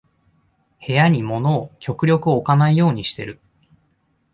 部屋に物を極力置かないようにしてる